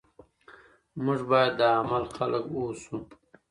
موږ باید د عمل خلک اوسو.